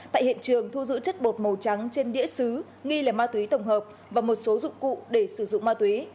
tại hiện trường thu giữ chất bột màu trắng trên đĩa xứ nghi là ma túy tổng hợp và một số dụng cụ để sử dụng ma túy